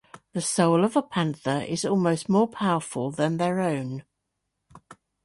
The soul of a panther is almost more powerful than their own.